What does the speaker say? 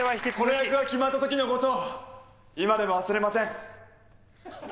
この役が決まったときのこと今でも忘れません。